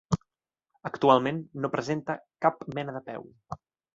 Actualment no presenta cap mena de peu.